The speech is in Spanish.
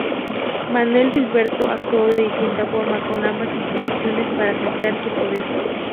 Manuel Filiberto actuó de distinta forma con ambas instituciones para asentar su poder.